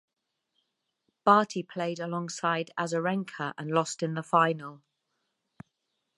Barty played alongside Azarenka and lost in the final.